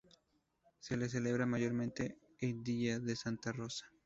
Se les celebra mayormente el día de Santa Rosa.